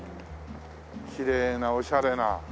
きれいなおしゃれな。